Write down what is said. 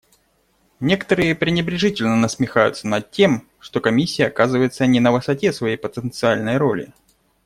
Некоторые пренебрежительно насмехаются над тем, что Комиссия оказывается не на высоте своей потенциальной роли.